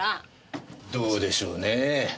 どうでしょうねぇ。